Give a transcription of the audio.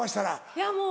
いやもう。